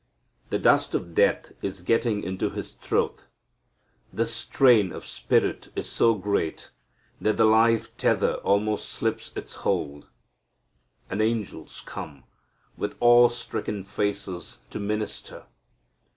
The dust of death is getting into His throat. The strain of spirit is so great that the life tether almost slips its hold. And angels come, with awe stricken faces, to minister.